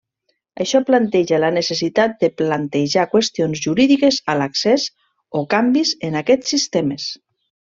Això planteja la necessitat de plantejar qüestions jurídiques a l'accés o canvis en aquests sistemes.